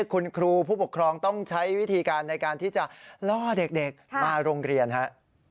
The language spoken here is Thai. คุณครูผู้ปกครองต้องใช้วิธีการในการที่จะล่อเด็กมาโรงเรียนฮะ